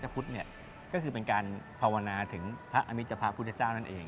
เป็นการภาวนาถึงพระอมิตภพพุทธเจ้านั่นเอง